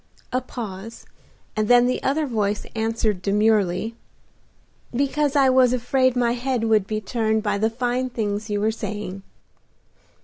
A pause, and then the other voice answered demurely, "Because I was afraid my head would be turned by the fine things you were saying."